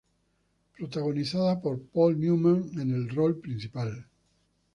Protagonizada por Paul Newman en el rol principal.